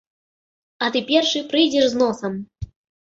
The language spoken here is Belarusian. А ты першы прыйдзеш з носам.